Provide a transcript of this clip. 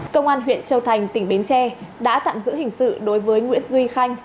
công an huyện châu thành tỉnh bến tre đã tạm giữ hình sự đối với nguyễn duy khanh